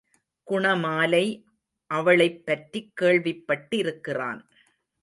Gunamalai அவளைப்பற்றிக் கேள்விப்பட்டிருக்கிறான்.